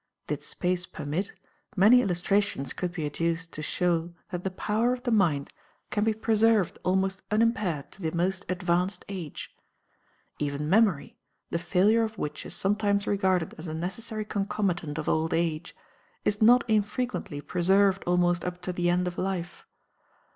Did space permit, many illustrations could be adduced to show that the power of the mind can be preserved almost unimpaired to the most advanced age. Even memory, the failure of which is sometimes regarded as a necessary concomitant of old age, is not infrequently preserved almost up to the end of life.